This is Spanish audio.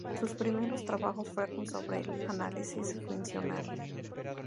Sus primeros trabajos fueron sobre el análisis funcional.